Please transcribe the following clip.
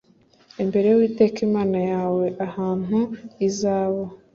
Imbere y uwiteka imana yawe ahantu izaba